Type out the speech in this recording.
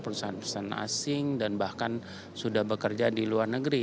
perusahaan perusahaan asing dan bahkan sudah bekerja di luar negeri